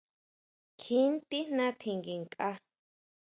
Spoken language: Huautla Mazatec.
Kjín tijna tjinguinkʼa.